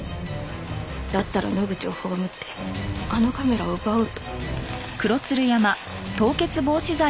だったら野口を葬ってあのカメラを奪おうと。